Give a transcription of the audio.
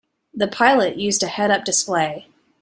The pilot used a head-up display.